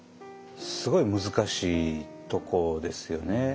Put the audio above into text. すごい難しいとこですよね。